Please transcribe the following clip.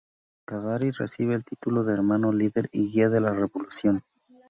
Gadafi recibe el título de "Hermano Líder y Guía de la Revolución".